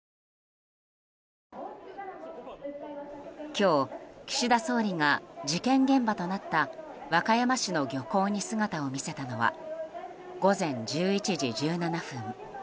今日、岸田総理が事件現場となった和歌山市の漁港に姿を見せたのは午前１１時１７分。